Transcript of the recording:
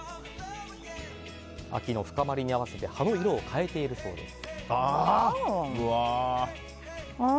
秋の深まりに合わせて葉の色を変えているそうです。